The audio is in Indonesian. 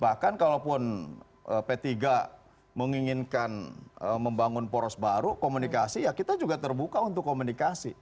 bahkan kalaupun p tiga menginginkan membangun poros baru komunikasi ya kita juga terbuka untuk komunikasi